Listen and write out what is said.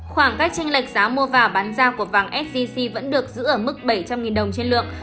khoảng cách tranh lệch giá mua và bán ra của vàng sgc vẫn được giữ ở mức bảy trăm linh đồng trên lượng